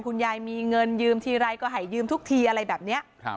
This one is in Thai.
คุณยายมีเงินยืมทีไรก็ให้ยืมทุกทีอะไรแบบนี้